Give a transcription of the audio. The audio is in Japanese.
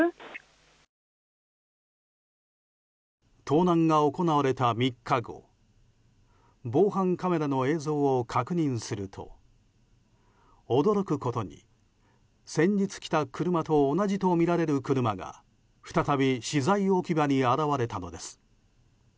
盗難が行われた３日後防犯カメラの映像を確認すると驚くことに、先日来た車と同じとみられる車が再び資材置き場に現れたのです。